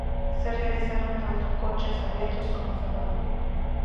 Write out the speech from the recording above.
Se realizaron tanto coches abiertos como cerrados.